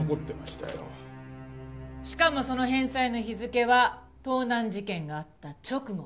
しかもその返済の日付は盗難事件があった直後。